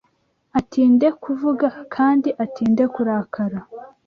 atinde kuvuga, kandi atinde kurakara